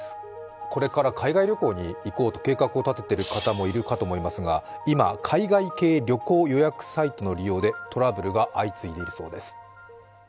これから海外旅行に行こうと計画を立てている方もいると思いますが今、海外系旅行予約サイトの利用でトラブルが相次いでいるそうです。